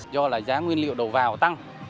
do là giá nguyên liệu đổ vào tăng